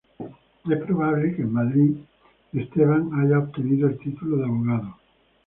Es probable que en Madrid, Esteban haya obtenido el título de Abogado.